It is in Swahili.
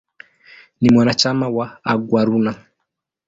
Ni mwanachama wa "Aguaruna".